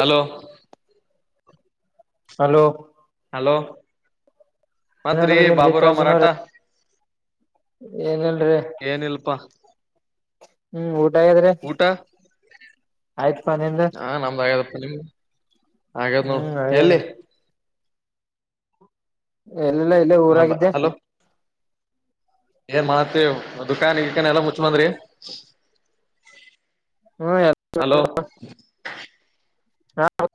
Hello hello hello ಮತ್ರಿ ಬಾಬುರಾವ್ ಮರಾಠ ಏನ್ಲ್ರಿ ಏನಿಲ್ಪಾ ಹ್ಮ್ ಊಟಗಾದ್ರಿ ಊಟ ಆಯ್ತ್ಪ ನಿಂದ ಹ ಹಾಗ ನೋ ಹ್ಮ್ ಹಾಗಗ್ಯದ ಎಲ್ಲಿ ಎಲ್ಲಲ್ಲ ಇಲ್ಲ ಮದ ಊರಾಗಿದ್ದೆ ಹಲೋ ಏನ್ ಮಾಡತೇವ ದುಕಾನ್ಿಿಕನ್ ಎಲ್ಲ ಮುಚ್ ಬಂದ್ರಿ ಹ್ಮ್ ಹಲೋ ಹಾ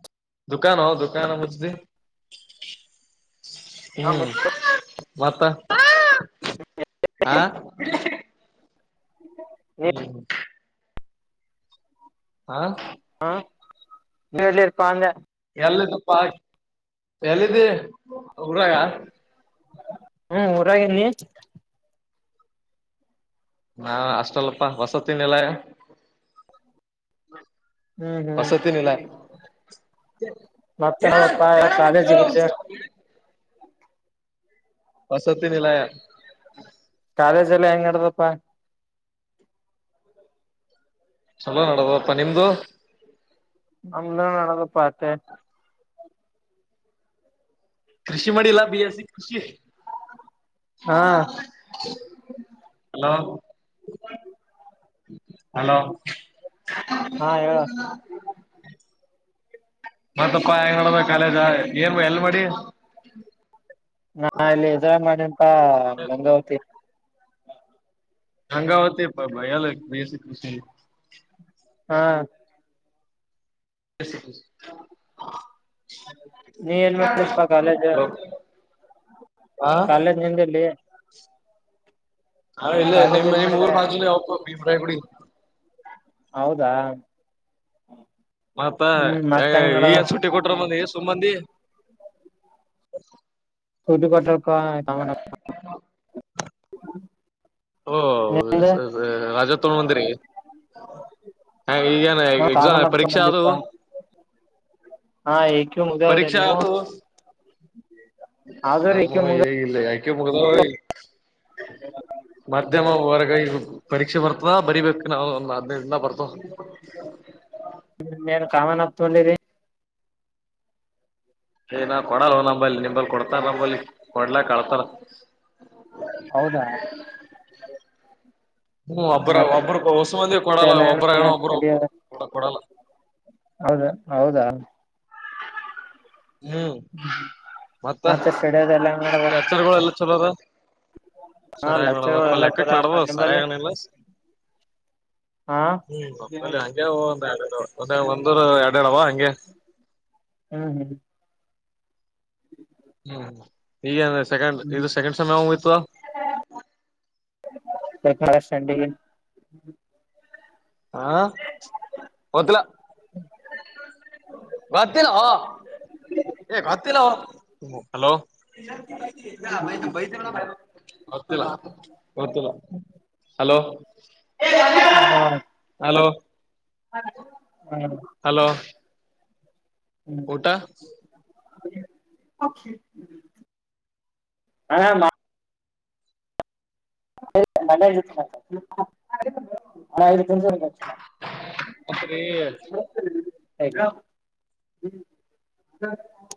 ದುಕಾನ ಹ ದುಕಾನ ಮುಿ ಹ್ಮ್ ಮತ್ತ ಹಾ [inaudible] ಹ್ಮ್ ಹ [unintelligible] ಹಾ ಹ್ಮ ಎಳ್ಳಿರ್ಕ ಅಂದ ಎಲ್ಲಿದ್ದಪ್ಪ ಎಲ್ಲಿದ್ದ ಊರಾಗ ಹ್ಮ ಊರಾಗೇ ನೀಿ ನಾ ಅಷ್ಟಲ್ಲಪ್ಪ ವಸತ್ತಿನ ಎಲ್ಲ ಹ್ಮ್ ಹೊಸತಿ ನಿಲ್ಲ ಹ ಮತ್ತಪ್ಪ ಕಾಲೇಜಗಿದ ವಸತಿಿನಲ ಕಾಲೇಜ ಎಲ್ಲ ಹೆಂಗ ಇಡದಪ್ಪಾ ಚಲೋ ನಡದಪ್ಪ ನಿಮ್ದು ನಮ್ದ ನಡದಪ್ಪತ್ತೆ ಕೃಷಿ ಮಾಡಿಿಲ್ಲಾ ಬಿ ಎ ಸಿ ಕೃಷಿ ಹಾ ಹಲೋ [inaudible] ಹಾ [unintelligible] ಹಲೋ ಹೇಳ ಮತ್ತೆ ಪಾಯ ಬ ಕಾಲೇದ ಏನ್ ಎಲ್ ಮಾಡಿ ಹಾ ಗಂಗಾವತಿ ಹಂಗಾವತ್ತ ಭಲ್ಲ ಬಸೃಷ ಹಾ ಬ ನೀ ಎಏನ್ ಮಾಡಂದ ಪ ಕಾಲೇಜ ಹಾ ಕಾಲೇಜ್ ನಿಮಲ್ಲಿ ಹಾ ಇಲ್ಲೇ ಕಾಲೇಜ್ ನಿಮ್ ಎಲ್ಲಿ ನಿಮ್ ಊರ್ ಮಾಡಿದಾರೆ ಮ ಬಿ ್ರೈ ಕುಡಿ ಹ್ಮ ಮತ್ತ ಈಗಏನ್ ಸುಟ್ಟಿ ಕೊಟ್ರ ಮಂದ ಸುಮ್ಮಂದಿ ಹ ಸಟ್ಟಿ ಕೊಟ್ಟಪ್ಪ ಹ. ಹ್ಮ ಓ ರಾಜಾ ತಗೊಂಡಬಂದಿರಿ ಈಗನ್ ಎಸ ಕಾಮನ್ ಅಪ್ ಪರೀಕ್ಷಾ ಅದು ತೊಂಬಲ್ಲಿಪ್ಪಾ ಹಾ ಏಕ್ಯೂ ಮುಗ್ದಾವ್ರಿ ಪರೀಕ್ಷಾ ನೀವು ಅದು ಆದವ್ರಿ ನಮ್ಮ ಏಕ್ಯೂ ಮುಗ್ದಾವ್ರಿ ಹೇಗಿಲ್ಲ ಯಾ ಕ ಮುಲ ಭ ಮಧ್ಯಮವರ್ಗ ಈಗ ಪರೀಕ್ಷೆ ಬರ್ತದ ಬರಿಬೇಕು ನಾವ ಒಂದ್ ಹದ್ನೈದಿಂದ ಬರ್ತ ಏನ್ ಕಾಮನ್ ಹ ತೊಂಡಿರಿ ಏ ನಾ ಕೊಡಲ್ವ ನಂಬಲ್ಲಿ ನಿಂಬಲ್ಲಿ ಕೊಡ್ತಾರ ನಂಬಲ್ಲಿ ಕೊಡಲ ಕಳತಳ ಹೌದಾ ಹ್ಮ್ ಒಬ್ಬ್ರ ಒಬ್ಬರು ಹೊಸ ಮಂದಿ ಮತ್ತೆ ಕೊಡಲ್ಲ ಎಲ್ಲ ಏನ್ ಒಬ್ಬ್ರ ನಡದ ಏನೋ ಒಬ್ಬರು ಸ್ಟಡಿ ಒಬ್ಬರು ಅದ ಕೊಡ ಕೊಡಲ್ಲ ಹೌದಾ ಹೌದಾ ಹ್ಮ್ ಮತ್ತ ಮತ್ತೆ ಸ್ಟಡಿ ಅದ ಎಲ್ಲ ಹೆಂಗ್ ನಡದ ಲೆಚರ್ಗಳು ಎಲ್ಲ ಚಲೋದ ಹಾ ಸರಿಯಾಗಿ ನಡ ಲೆಕ್ಚರ್ಗಳು ಎಲ್ಲ ಚಲೋ ಲೆಕ್ಕಕ್ ನ ಆತವ ನಿಂಬಲ್ಲಿ ಸರಿಯಾಗಿಿಲ್ಲ ಹಾ ಹ್ಮ ಹ್ಮ್ ಹ ಒ ಒಂದ ಎರವ ಹಗೆ ಹ್ಮ್ ಹ್ಮ್ ಹ್ಮ ಈಗೇಂದ್ರೆ ಸೆಕೆಂಡ್ ಹ್ಮ್ ಇದು ಸೆಕೆಂಡ್ ಸಮಯ ಹಿತ್ತು ಚಂಡಗ ಹಾ ಹ ಮಲ ಗತ್ತ ಗತ್ತ ಹಲೋ ಬ ಗತ್ತಲ್ಲ ಗತ್ತಲ್ಲ ಹಲೋ ಹಾ ಹಲೋ ಹ್ಮ ಊಟಾ ಹಾ ಮತ್ರಿ ಇಲ್ಲ ನಿ ಹ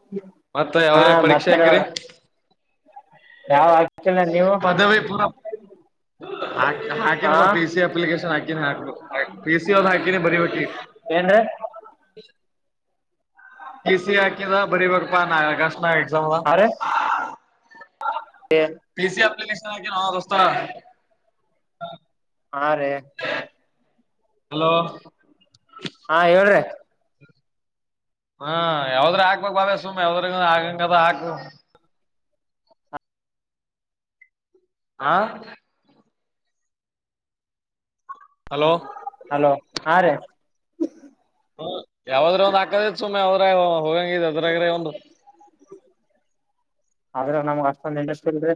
ಮತ್ತ ಯಾವ್ರ ಪರೀಕ್ಷೆ ಹಾಕರಿ ಯಾವ ಹಾಕಿಲ್ಲ ನೀವು ಪದವಿ ಪೂರ ಹಾ ಹಾಕಿನ ಪಿ ಸಿ ಅಪ್ಲಿಕೇಶನ್ ಹಾಕಿನ ಹಾಕ್ ಪಿ ಸಿ ಅವದ ಹಾಕಿನಿ ಬರಿಬೇಕಕಿ ಏನ್ರೀ ಕೆ ಸಿ ಹಾಕಿದ ಬರಿ ಬಪ್ಪಾ ನಾ ಕಷ್ಟ ನ ಎಕ್ಸಾಮದ ಹಾ ರೀ ಪ ಸಿಿ ಅಪ್ಲಿಕೇಶ ನಾ ದಸ್ತ ಹಾ ರೇ ಹಲೋ ಹಾ ಹೇಳ್ರಿ ಹ್ಮ ಯಾವದ್ರ ಹಾಕ್ಬೇಕಕ್ ಬಾವ ಸುಮ್ ಯಾವ್ದ್ರ ಆಗಂಗದ ಹಾಕ್ ಹಾ ಹ್ಮ ಹಲೋ ಹಲೋ ಹಾ ರ ಹ ಯಾವಾದ್ರ ಒಂದ್ ಹಾಕದತ್ ಸುಮ್ಮನೆ ಅವ್ರ ಹೋಗಂಗಿದ ಅದ್ರಾಗ್ರೆ ಒಂದು ಆದ್ರ ನಮ್ಗ್ ಅಷ್ಟೊಂದು ಇಂಡಸ್ ಇಲ್ದೆ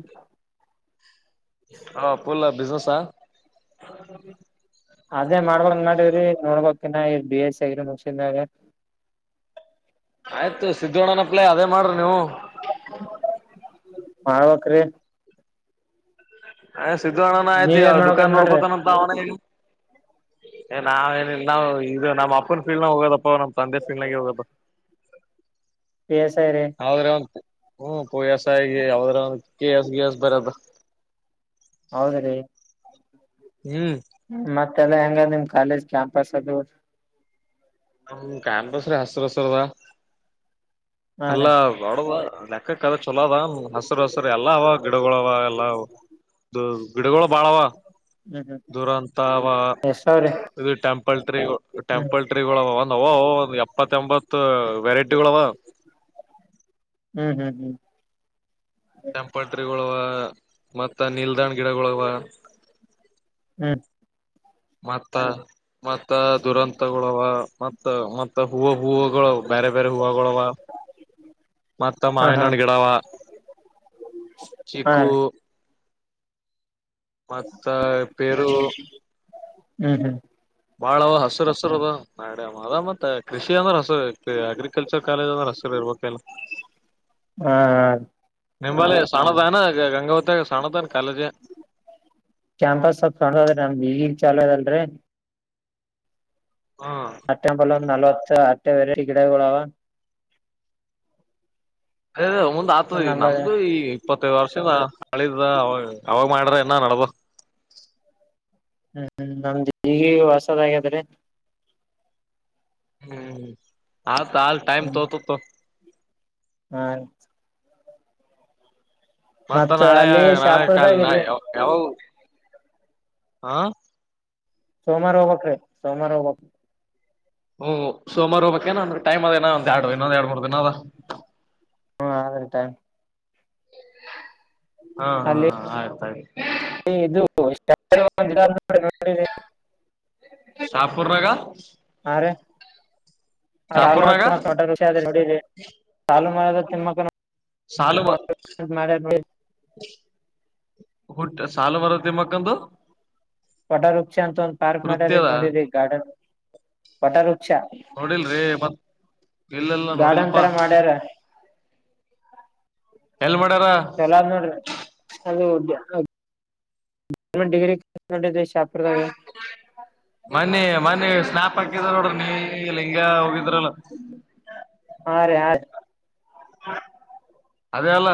ಹಾ ಪೂಲ ಬಿಿಸಿನಸ್ಾ ನ ಬಿ ಎಸ್ಗ ಮುಸಗ ಆಯ್ತು ಸಿದ್ದೋಣ್ಣನಪ್ಲೈ ಅದೇ ಮಾಡ್ರಿ ನೀವು ಹವಕ್ರೀ ಅ್ ಸ್ಧಾರ್ಣನ ಆಯ್ತಿ ನೀವ ಅವ ಏನ್ ದದುಕಾನ್ ಮಾಡ್ಬೇಕಂದ್ ಮಾಡ್ರಿ ನೋಡ್ಕತಾನ ಅಂತ ಅವನ ಏ ನಾವ ಏನಿಲ್ಲ ನಾವವು ಇದು ನಮ್ಮ್ ಅಪ್ಪನ ಫೀಲ್ಡ್ನಾಗ ಹೋಗೋದಪ್ಪ ನಮ್ ತಂದೆ ಫೀಲ್ಡ್ನಾಗ ಹೋಗದ ಬಸಾಯರೆ ಹಓ ಯ ಆಸಾ ಆ ಯದ ಕೆಸಗೆ ಬರ ಹೌದ ರೀ ಹ್ಮ್ ಮಲ್ಲ ಹೆಂಗ ನಿಮ್ ಕಾಲೇಜ್ ಕ್ಯಾಂಪಸ್ ಅದು ಹ ಕಂಪಸ್ ರ ಹಸರು ಹಸರದ ಹಾ ಅಲ್ಲ ರೀ ಅ ಲೆಕ್ಕಕ್ಕದ ಚಲೋ ಅದ ಹಸುರ ಹಸುರ ಎಲ್ಲ ಅವ ಗಿಡಗಳ ಅವ ಎಲ್ಲ ದು ಗಿಡಗಳ ಬಾಳವಾ ಹ್ಮ್ ಹ್ಮ್ ದುರಂತ ಅವ ಎಷ್ಟ ಅವ್ರಿ ಇದು ಟೆಂಪಲ್ ಟ್ರಿಗಳು ಟೆಂಪಲ್ ಟ್ರಿ ಟ್ರೀಗಳು ಅವ ಒಂದ ಅವೋ ಎಪ್ಪತ್ತ ಎಂಬತ್ತ ವೆರೈಟಿಗೋಳವ ಹ್ಮ್ ಹ್ಮ್ ಹ್ಮ್ ಕೆಂಪಟ್ರಿಗೋಳವ ಮತ್ತ ನಿಲ್ದಾಣ ಗಿಡಗೋಳವ ಹ್ಮ್ ಮತ್ತ ಮತ್ತ ದುರಂತಗೋಳವ ಮತ್ತ ಮತ್ತ ಹೂವ ಹೂವುಗಳು ಬ್ಯಾರೆ ಬ್ಯಾರೆ ಹೂವಗೋಳವ ಮತ್ತ ಹಾ ಹಾ ಮಾವಿನಹಣ್ಣ ಗಿಡ ಅವ ಹಾ ಚಿಕ್ಕು ರೀ ಮತ್ತ ಪೇರು ಹ್ಮ್ ಹ್ಮ್ ಬಾಳವ ಹಸರ ಹಸರ ಅದ ನಾಡೆಮ ಅದ ಮತ್ತ ಕೃಷಿ ಅಂದ್ರ ಹಸರ ಅಗ್ರಿಕಲ್ಚರ್ ಕಾಲೇಜ್ ಅಂದ್ರೆ ಹಸರ ಇರ್ಬೇಕಲ್ಲ ಹ ನಿಂಬಲ್ಲಿ ಸಣದಾನ ಗಂಗಾವತ್ಯಾಗ ಸಣದೇನ್ ಕಾಲೇಜ ಕ್ಯಾಂಪಸ್ ಸ್ಪಲ್ಪ ಸಣದದ್ರಿ ನಮ್ದ ಈಗೀಗ ಚಾಲು ಆಗ್ಯದಲ್ಲರಿ ಹ್ಮ್ ಮತ್ತಯಾಂಬಲ್ ಒಂದ ನಲವತ್ತ ತ್ತೆ ವೆರೈಟಿ ಗಿಡಗೋಳವ ಏ ಏ ಮುಂದ ಆತದ ಈಗ ನಂಬಲ್ ನಮ್ದು ಈ ಇಪ್ಪತ್ತೈದು ವರ್ಷದ ಹಳಿದದ ಅವಾಗ ಅವಾಗ ಮಾಡ್ರ ಇನ್ನ ನಡ್ದದ ಹ್ಮ್ ಹ್ಮ್ಮ್ ನಮ್ದ್ ಈಗಿಗ್ ಹೊಸದಾಗ್ಯಾದ್ರಿ ಹ್ಮ್ ಹಾ ಕಾಲ ಟೈಮ್ ತೂತದ ತೋ ಹ್ಮ [unintelligible] ಮತ್ತ ನಾಳೆ ಅಲ್ಲಿ ನಾಳೆ ಶಾಪುರ್ದಾಗ ಕಾಲನ ಇಲ್ರಿ ಯಾವಗ ಹಾ ಸೋಮವಾರ ಹೋಬೇಕ್ರಿ ಸೋಮವಾರ ಹೋಬೇಕ್ ಒಹೋ ಸೋಮಾರ ಹೋಗ್ಬೇಕೇನ್ ಅಂದ್ರ ಟೈಮ್ ಅದಾ ಹೀನಾ ಯಾಡ ದಿನ ಇನ್ನೊಂದ ಯಾಡ್ ಮೂರ ದಿನ ಅದ ಹ್ಮ ಆದ್ರಿ ಟೈಮ್ ಹಾ ಹಾ ಅಲ್ಲಿ ಆಯತಾಯ್ತ ಹ್ಮ [unintelligible] ಇದು [unintelligible] ಶಾಪುರ್ನಾಗ ಸಾಲು ಮರದ ಶಾಪುರ್ನಾಗ ತಿಮ್ಮಕ್ಕನ ವಟ ವೃಕ್ಷ ಆದರಿ ನೋಡರಿ ಸಾಲು ಮರದ ತಿಮಕ್ಕ ಸಾಲು ಮ ನೋಡಿ ಹುಟ್ಟ ಸಾಲು ಮರದ ತಿಮ್ಮಕ್ಕಂದು ಪಟ ವೃಕ್ಷ ಅಂತ ಒಂದ ಪಾರ್ಕ್ ಮಾಡ್ಯಾರ ನೋಡರಿಿ ಗಾರ್ಡನ್ ಪಟ ವೃಕ್ಷ ನೋಡಿಲ್ರಿ ಮತ್ ಇಲ್ಲೆಲ್ಲ ಗಾರ್ಡನ್ ನೋಡಿಲ್ಪಾ ತರ ಮಾಡ್ಯಾರ ಎಲ್ ಮಾಡ ಚಲ್ ನೋಡ್ರಿ ಅ ಗರ್ೆಂಟ್ ಡಿಗ್ರಿ ಶಾಪುರ್ದಾಗ ಮನೆಿ ಮನೆಿ ಸ್ನಾಾಪ ಹಕಿದ ನೋಡ್ರಿ ನೀ ಲಂಗಾ ಹಾ ರೇ ಆ ಹ ಅದೇ ಅಲ್ಲ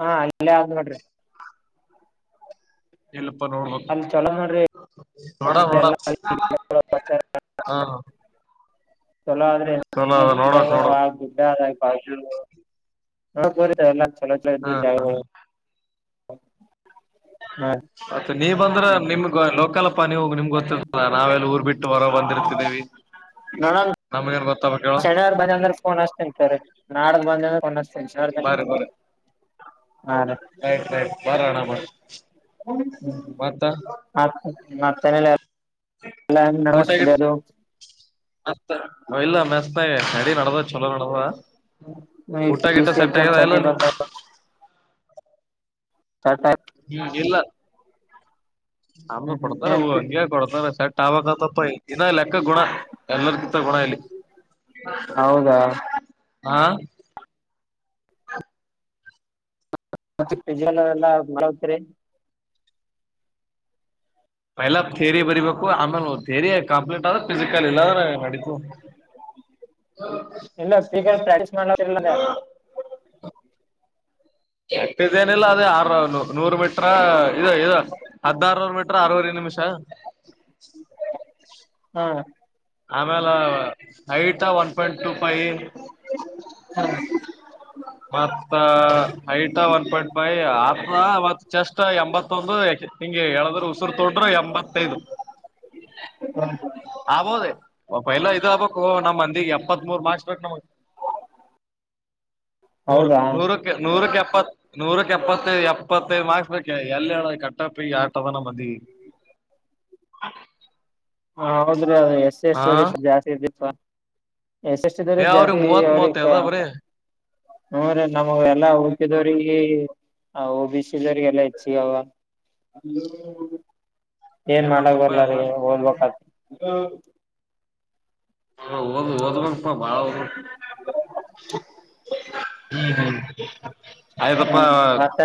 ಹಾ ಇಲ್ಲ್ ಮಾಡ್ರಿ ಎಲ್ಲ ನೋಡ್ಬ ಅಲ್ಲಿ ಚಲೋ ನೋಡಿರಿ ಮಡ ಮಡ ಎಲ್ಲ ಹಾ ಹ ಚಲೋ ಆದ್ರೆ ಚಲೋ ಮನ ನೋಡಕ್ ಗಿಡ ನೋಡಕ್ ದುಡ್ಡ ಆದ [unintelligible] ಹಾ ಬರಿತ ಎಲ್ಲ ಚಲ್ದ ಜಾವ ಹೌ [inaudible] ಅತ ನೀವ ಬಂದ್ರ ನಿಮ್ಗ ಲೋಕಲ್ಪ್ಪ ನೀವು ನಿಮ್ಗೆ ಗೊತ್ತಿರ್ತಲ್ಲ ನಾವ ಎಲ್ಲಿ ಊರ್ ಬಿಟ್ಟು ಹೊರ ಬಂದಿರ್ತಿದೀವಿ ನಮಗ ನ್ ಗೊತ್ತ ಚಳಾರ್ ಬಂದ ಅಂದ್ರೆ ಕೋನ ತಿಂತಾರೆ ನಾಡಕ್ ಬಂದ್ರೆ ಬ ಬರ ಹಾಂ ರೀ ರಟ್ ರಟ್ ಬರಣಾಮ ಮತ್ತ ಅತ್ತನಲ್ಲ ಅಲ್ ನಮಸ್ತದು ಮತ್ ಇಲ್ಲ ಮೆಸ್ತ ನಡಿ ನಡ್ದ ಚಲೋ ನಡದ್ ಬಿಎಸ್ ಸಿ ಎಕ್ಾಮ ಚ ಬ ನಿಂದ್ ಸ ಹ್ಮ್ ಇಲ್ಲ ನಮ್ಗ್ ಹ್ಮ್ ಹ್ಮ್ ಕೊಡ್ತಾರ ಏನ್ ಹೂ ಪಿ- ಹಂಗೆ ಕೊಡ್ತಾರ ಸಟ್ [unintelligible] ಇನ್ನ ಲೆಕ್ಕ ಗುಣ ಎಲ್ಲರ್ ಕಿತ್ತ ಗುಣ ಇಲ್ಲಿ ಹೌದಾ ಹಾ ಮತ್ತೆ ಪಿ ಜಿ ಎಲ್ಲ [unintelligible] ಎಲ್ಲಾ ಥೇರಿ ಬರಿಬೇಕು ಆಮೇಲೆ ರಿ ಕಂಪ್ಲೀಟ ಆದ ಪಿಿಸಿಕಲ್ ಇಲ್ಲದ ನಾ ನಡಿಿತ ಇಲ್ಲ ಫಿಸಿಕಲ್ ಪ್ರಾಕ್ಟೀಸ್ ಮಾಡ್ಲತ್ತಿರಲ್ಲ ಕೆಟ್ಟಿದ್ದೇನಿಲ್ಲ ಅದೇ ಆರಾಮ್ ನೂರು ಮಟ್ರ ಇ ಇ ಹದ್ಿನಾರನೂರು ಮಟ್ರ ಅರವರೆದು ನಿಮಿಷ ಹಾ ಆಮೇಲೆ ಹೈಟ್ ಒನ್ ಪಾಯಿಂಟ್ ಟ ಫೈ ಮತ್ತ ಹೈಟ್ ಒನ್ ಪಾಯಿಂಟ್ ಫೈ ಆತ ಮತ್ ಚೆಸ್ಟ್ ಎಂಬತ್ತೊಂದು ಯಾಕೆ ಂಗೆ ಹೇಳಳದ್ರು ಉಸಿರು ತೊಡ್ರ ಎಂಬತ್ತೈದು ಆಬೋದ ಒ ಪೈಲ್ಲ ಇದ ಆಬೇಕು ನಮ್ಮ ಮಂದಿಗೆ ಎಪ್ಪತ್ ಮೂರ್ ಮಾರ್ಕ್ಸ್ ಬೇಕು ನಮ ನ ಹೌದಾ ನೂರಕ್ಕೆ ನೂರಕ್ಕೆ ಎಪ್ಪತ್ ನೂರಕ್ ಎಪ್ಪತ್ತೈದು ಎಪ್ಪತ್ತೈದು ಮಾರ್ಕ್ಸ್ ಬೇಕ ಎಲ್ಲ ಹೇಳ ಕಟ್ಟಪ ಆತದಾನ ಮದಿ ಹೌದು ಎಷ್ಟ ಎಷ್ಟ ಸರಿ ಜಾಸ್ತಿ ಇರ್ತಿತ್ ಎಶಸ್ಿದವ್ರ ಏ ಅವ್ರಿಗೆ ಜಾಸ್ತಿ ಮೂವತ್ ಅವ್ರ ಮೂವತ್ತೈದ ಬರೀ ನ್ರೆ ನಮಗೆ ಎಲ್ಲಾ ಹುಡುಕಿದವ್ರ ಓ ಬಿ ಸಿ ದೋರಿಗೆ ಹೆಚ್ಚಿಗೆ ಅವ ಏನ್ ಮಾಡಕ್ ಮಾಡ್ತಪ್ಪ ಬರ್ಲಾರಿ ಎಲ್ಲ ಓದ್ಬೇಕು ಹ ಹ ಒ ಭಾವ ಹ್ಮ ಹ ಹ ಅಪ್ಪ ಹ್ಮ ಮತ್ತ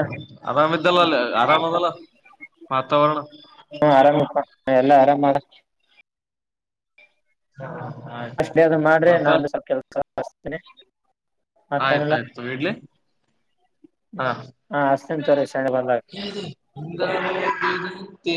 ಅ ಇಲ್ಲ ಆರಾಮಾದಿಲ್ಲ [inaudible] ವಾತಾವರಣ ಹ್ಮ ಆರಾಮಪ್ಪ ಎಲ್ಲಾ ಆರಾಮ ಹಾ ಆಯ್ತ ಅಷ್ಟೇ ಆಯ್ತ್ತು ಅದು ಮಾಡ್ರಿ ಮತ್ತ ನಾನು ಸ್ವಲ್ಪ ಕೆಲ್ಸ ಹಸ್ತೇನಿ ಮತ್ತೇನೆಲ್ಲ ಆಯ್ತಾಯ್ತು ಇಡ್ಲಿ ಹಾ ಹಾ ಹಸ್ತೇನಿ ತೋರಿ ಸಂಡೆ ಬಂದಾಗ ತ್ತ